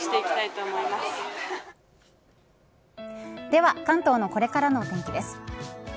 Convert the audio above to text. では関東のこれからのお天気です。